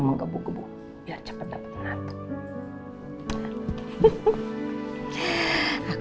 menggebu gebu biar cepet dapat enak